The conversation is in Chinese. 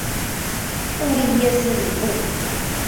布利耶斯布吕。